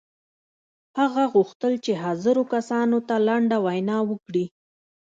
هغه غوښتل چې حاضرو کسانو ته لنډه وینا وکړي